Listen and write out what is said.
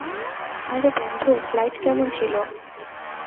আরে বন্ধু - ফ্লাইট কেমন ছিল?